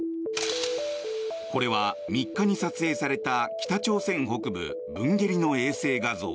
これは３日に撮影された北朝鮮北部プンゲリの衛星画像。